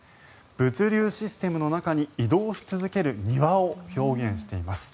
物流システムの中に移動し続ける庭を表現しています。